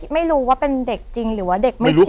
ไม่รู้ว่าเป็นเด็กจริงหรือว่าเด็กไม่จริง